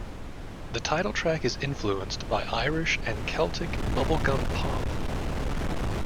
The title track is influenced by Irish and Celtic bubblegum pop.